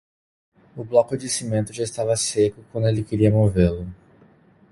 O bloco de cimento já estava seco quando ele queria movê-lo.